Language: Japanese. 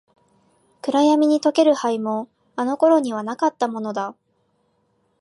暗闇に溶ける灰も、あの頃にはなかったものだ。